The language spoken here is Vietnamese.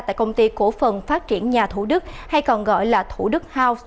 tại công ty cổ phần phát triển nhà thủ đức hay còn gọi là thủ đức house